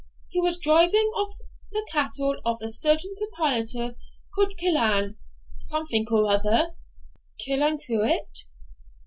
He was driving off the cattle of a certain proprietor, called Killan something or other ' 'Killancureit?'